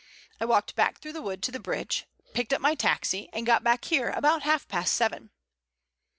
I walked back through the wood to the bridge, picked up my taxi and got back here about half past seven."